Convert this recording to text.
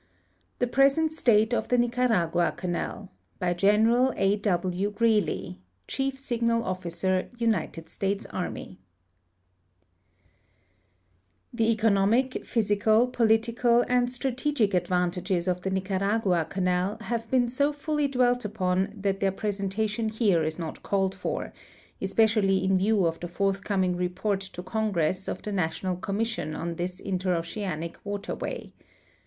] THE PRESENT STATE OF THE NICARAGUA CANAL By General A. W. Greely, Chief Signal Officer, United States Army The economic, physical, political, and strategic advantages of the Nicaragua canal have been so fully dwelt upon that their • presentation here is not called for, especially in view of the forth coming report to Congress of the National Commission on this interoceanic waterway.